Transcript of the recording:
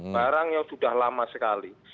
barang yang sudah lama sekali